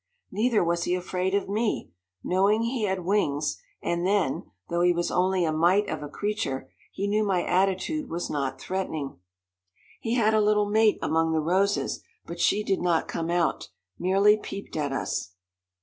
Neither was he afraid of me, knowing he had wings, and then, though he was only a mite of a creature, he knew my attitude was not threatening. He had a little mate among the roses, but she did not come out merely peeped at us.